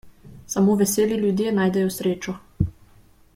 Samo veseli ljudje najdejo srečo.